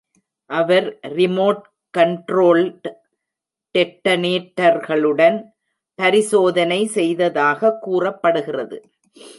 அவர் remote controlled டெட்டனேட்டர்களுடன் பரிசோதனை செய்ததாக கூறப்படுகிறது.